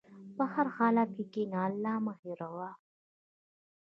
په هر حالت کښېنه، الله مه هېروه.